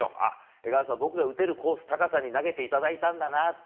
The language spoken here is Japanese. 江川さんは僕が打てるコースに投げていただいてたんだなと。